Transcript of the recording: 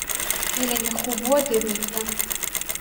ელენე ხუბუა დებილია